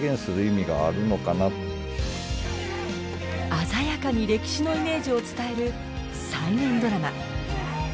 鮮やかに歴史のイメージを伝える再現ドラマ。